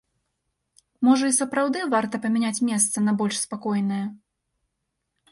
Можа і сапраўды варта памяняць месца на больш спакойнае?